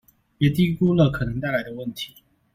別低估了可能帶來的問題